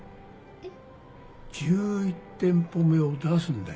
えっ？